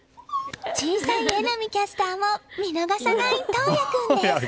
小さい榎並キャスターも見逃さない桐矢君です。